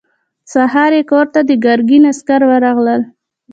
سهار يې کور ته د ګرګين عسکر ورغلل.